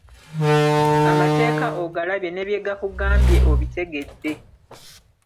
Amateeka ogalabye ne bye gakugambye obitegedde.